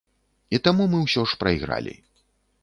І таму мы ўсё ж прайгралі.